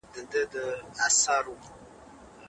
لمر به تياره شي لمر به ډوب شي بيا به سر نه وهي